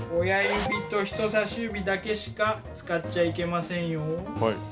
親指と人さし指だけしか使っちゃいけませんよ。